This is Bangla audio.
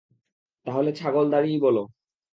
তাহলে ছাগল দাঁড়িই বলো।